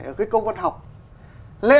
ở cái công văn học này